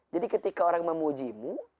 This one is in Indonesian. jadi ketika orang memuji mu